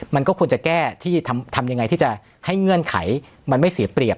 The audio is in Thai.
มันก็ควรจะแก้ที่ทำยังไงที่จะให้เงื่อนไขมันไม่เสียเปรียบ